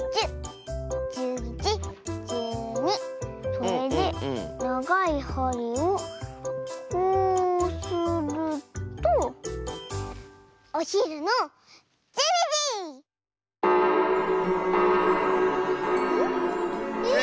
それでながいはりをこうするとおひるの１２じ！え？